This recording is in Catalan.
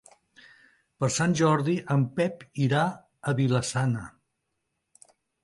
Per Sant Jordi en Pep irà a Vila-sana.